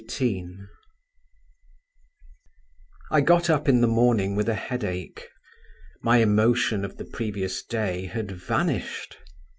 XVIII I got up in the morning with a headache. My emotion of the previous day had vanished.